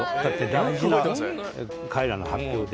大事な彼らの発表で。